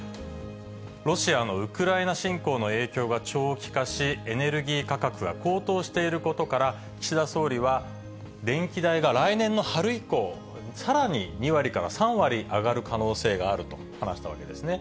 ロシアのウクライナ侵攻の影響が長期化し、エネルギー価格が高騰していることから、岸田総理は、電気代が来年の春以降、さらに２割から３割上がる可能性があると話したわけですね。